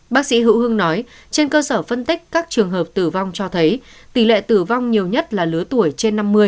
bác sĩ hữu hưng nói trên cơ sở phân tích các trường hợp tử vong cho thấy tỷ lệ tử vong nhiều nhất là lứa tuổi trên năm mươi